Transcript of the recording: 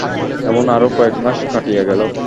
এমন আরো কয়েক মাস কাটিয়া গেল।